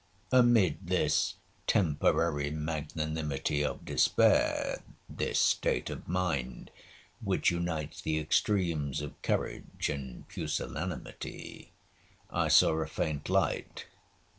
'Amid this temporary magnanimity of despair, this state of mind which unites the extremes of courage and pusillanimity, I saw a faint light.